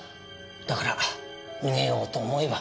だから逃げようと思えば。